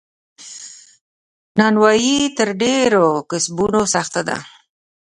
نانوایې تر ډیرو کسبونو سخته ده.